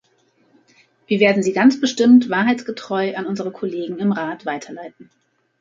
Wir werden sie ganz bestimmt wahrheitsgetreu an unsere Kollegen im Rat weiterleiten.